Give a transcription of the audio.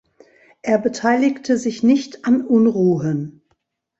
Er beteiligte sich nicht an Unruhen.